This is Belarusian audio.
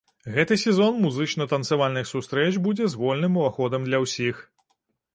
Гэты сезон музычна-танцавальных сустрэч будзе з вольным уваходам для ўсіх!